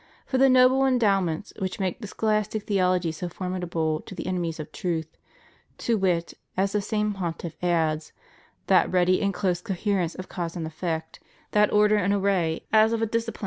For the noble endowments which make the scholastic theology so formidable to the enemies of truth— ^to wit, as the same pontiff adds, "that ready and close coherence of cause and effect, that order and array as of a disciplined ^ Bulla Triumphantb, an.